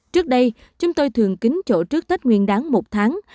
trước đây chúng tôi thường kính chỗ trước tết nguyên đáng một tháng